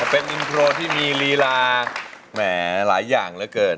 เป็นอินโทรที่มีลีลาแหมหลายอย่างเหลือเกิน